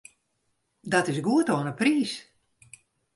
Dat is goed oan 'e priis.